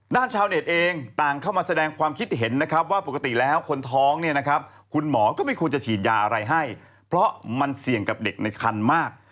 ชาวเน็ตเองต่างเข้ามาแสดงความคิดเห็นนะครับว่าปกติแล้วคนท้องเนี่ยนะครับคุณหมอก็ไม่ควรจะฉีดยาอะไรให้เพราะมันเสี่ยงกับเด็กในคันมาก